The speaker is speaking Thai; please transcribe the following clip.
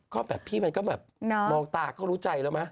ก็แบบพี่มันก็แบบมองตาก็รู้ใจแล้วมั้